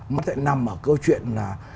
nó sẽ nằm ở câu chuyện là